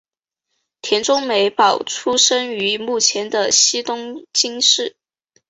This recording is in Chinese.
田中美保出生于目前的西东京市。